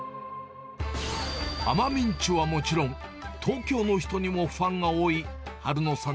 奄美んちゅはもちろん、東京の人にもファンが多い、春野さん